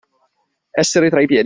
Essere tra i piedi.